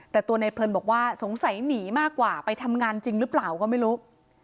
แต่ตัวในเพลินบอกว่าสงสัยหนีมากกว่าไปทำงานจริงหรือเปล่าก็ไม่รู้